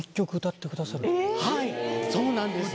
はいそうなんです。